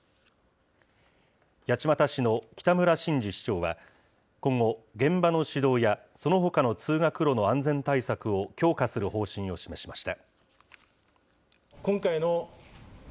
八街市の北村新司市長は、今後、現場の市道や、そのほかの通学路の安全対策を強化する方針を示しました。